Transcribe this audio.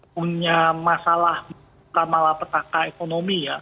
punya masalah bukan malah petaka ekonomi ya